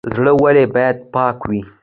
زړه ولې باید پاک وي؟